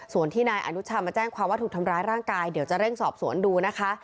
ส่วนที่นายอนุชามาแจ้งความว่าถูกทำร้ายร่างกายเดี๋ยวจะเร่งสอบสวนดูนะคะ